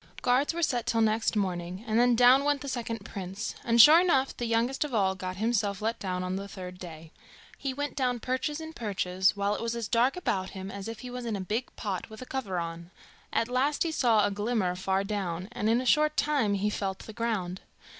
Guards were set till next morning, and then down went the second prince, and sure enough, the youngest of all got himself let down on the third day. He went down perches and perches, while it was as dark about him as if he was in a big pot with a cover on. At last he saw a glimmer far down, and in a short time he felt the ground.